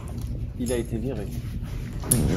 Il a été viré.